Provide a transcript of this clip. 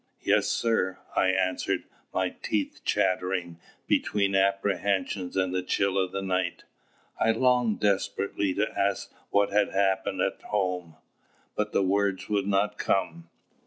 "Yes, sir," I answered, my teeth chattering between apprehension and the chill of the night. I longed desperately to ask what had happened at home, but the words would not come.